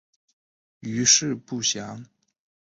余事不详。